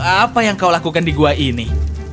apa yang kau lakukan di gua ini